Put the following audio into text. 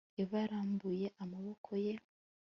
Eva yarambuye amaboko ye